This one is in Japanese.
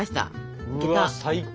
うわ最高。